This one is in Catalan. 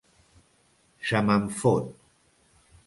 Se me'n fot!